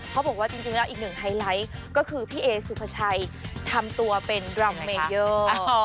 เขาบอกว่าจริงแล้วอีกหนึ่งไฮไลท์ก็คือพี่เอสุภาชัยทำตัวเป็นรำเมเยอร์